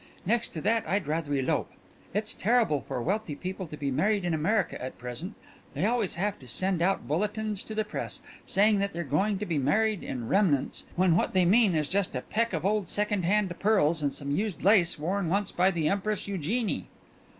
Next to that I'd rather elope. It's terrible for wealthy people to be married in America at present they always have to send out bulletins to the press saying that they're going to be married in remnants, when what they mean is just a peck of old second hand pearls and some used lace worn once by the Empress Eugenie."